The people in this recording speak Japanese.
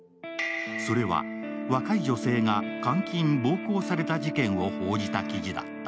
それは若い女性が監禁・暴行された事件を報じた記事だった。